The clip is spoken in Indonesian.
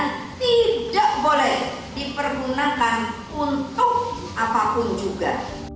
untuk apapun juga